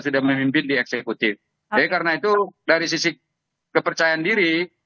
jadi karena itu dari sisi kepercayaan diri